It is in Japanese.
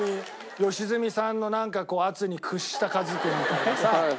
良純さんのなんかこう圧に屈したカズ君みたいなさ。